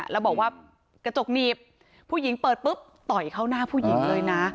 แล้วบอกว่ากระจกหนีบผู้หญิงเปิดปุ๊บต่อยเข้าหน้าผู้หญิงเลยนะ